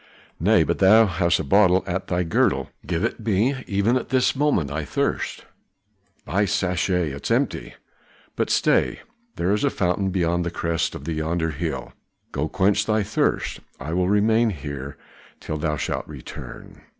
"Nay, but thou hast a bottle at thy girdle; give it me. Even at this moment I thirst." "By Sechet! it is empty. But stay, there is a fountain beyond the crest of yonder hill; go quench thy thirst. I will remain till thou shalt return."